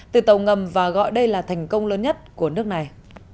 từ tàu ngầm và gọi đây là thành công lớn nhất của nước này